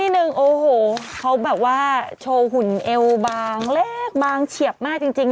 หนึ่งโอ้โหเขาแบบว่าโชว์หุ่นเอวบางเล็กบางเฉียบมากจริง